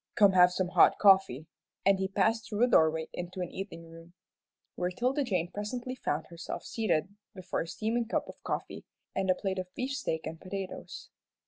"Come have some hot coffee," and he passed through a doorway into an eating room, where 'Tilda Jane presently found herself seated before a steaming cup of coffee, and a plate of beefsteak and potatoes.